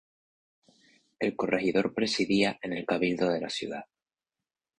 El corregidor presidía el cabildo de la ciudad.